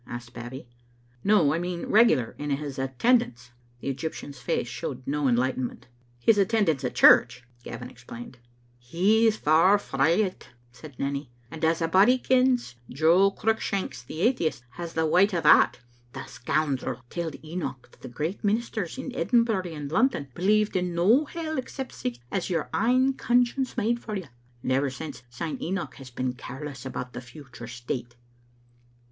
asked Babbie. " No, I mean regular in his attendance." The Egyptian's face showed no enlightenment. " His attendance at church," Gavin explained. " He's far frae it," said Nanny, " and as a body kens, Joe Cruickshanks, the atheist, has the wite o' that. The scoundrel telled Enoch that the great ministers in Edinbury and London believed in no hell except sic as your ain conscience made for you, and ever since syne Enoch has been careless about the future state.